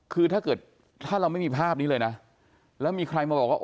คือถ้าเกิดถ้าเราไม่มีภาพนี้เลยนะแล้วมีใครมาบอกว่า